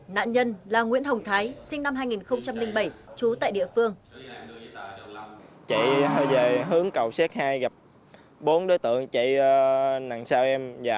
nạn nhân là nguyễn hồng thái sinh năm hai nghìn bảy